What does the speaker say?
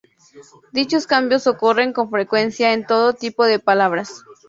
Dichos cambios ocurren con frecuencia en todo tipo de palabras.